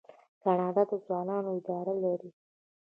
کاناډا د ځوانانو اداره لري.